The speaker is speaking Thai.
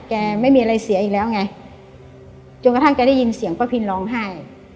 ไม่มีอะไรเสียอีกแล้วไงจนกระทั่งแกได้ยินเสียงป้าพินร้องไห้